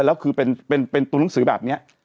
แล้วคือเป็นตัวหนังสือแบบนี้